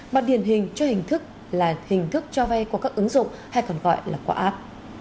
mà điển hình cho hình thức là hình thức cho vay của các ứng dụng hay còn gọi là quả áp